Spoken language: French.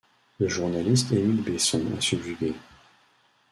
Le journaliste Émile Besson est subjugué.